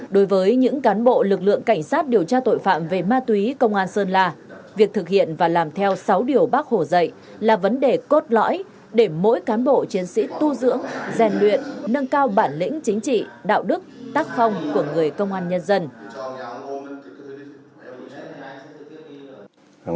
đối với những cán bộ lực lượng cảnh sát điều tra tội phạm về ma túy công an sơn la việc thực hiện và làm theo sáu điều bác hồ dạy là vấn đề cốt lõi để mỗi cán bộ chiến sĩ tu dưỡng rèn luyện nâng cao bản lĩnh chính trị đạo đức tác phong của người công an nhân dân